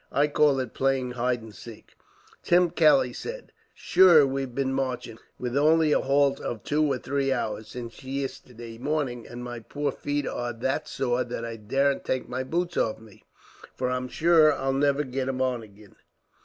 I call it playing hide and seek," Tim Kelly said. "Shure we've bin marching, with only a halt of two or three hours, since yisterday morning; and my poor feet are that sore that I daren't take my boots off me, for I'm shure I'd never git 'em on agin.